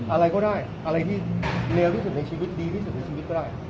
อะไรก็ได้อะไรที่เร็วที่สุดในชีวิตดีที่สุดในชีวิตก็ได้